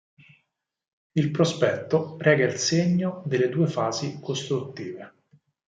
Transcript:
Il prospetto reca il segno delle due fasi costruttive.